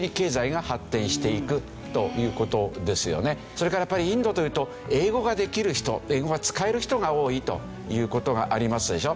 それからやっぱりインドというと英語ができる人英語が使える人が多いという事がありますでしょ。